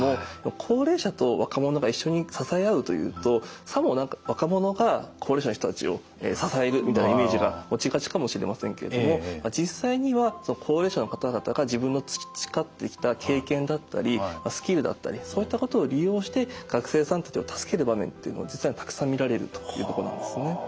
高齢者と若者が一緒に支え合うというとさも何か若者が高齢者の人たちを支えるみたいなイメージが持ちがちかもしれませんけれどもまあ実際には高齢者の方々が自分の培ってきた経験だったりスキルだったりそういったことを利用して学生さんたちを助ける場面っていうのを実はたくさん見られるというとこなんですね。